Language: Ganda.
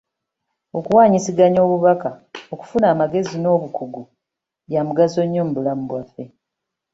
Okuwanyisiganya obubaka, okufuna amagezi n'obukugu bya mugaso nnyo mu bulamu bwaffe.